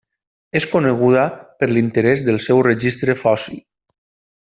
És coneguda per l'interès del seu registre fòssil.